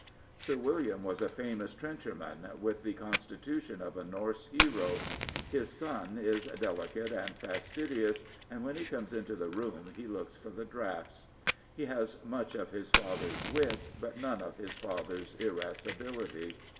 Sir William was a famous trencherman, with the constitution of a Norse herd; ""his son is delicate and fastidious, and when he comes into the room he looks for the draughts. He has much of his father's wit, but none of his father's irascibility.